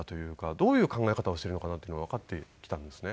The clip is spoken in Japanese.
どういう考え方をしているのかなっていうのがわかってきたんですね。